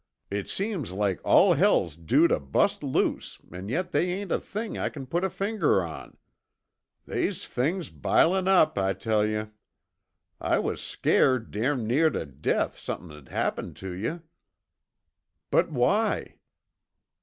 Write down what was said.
It seems like all hell's due tuh bust loose an' yet they ain't a thing I c'n put a finger on. They's things bilin' up, I tell yuh. I was scared damn near tuh death somethin'd happened tuh you." "But why?"